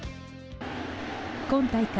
今大会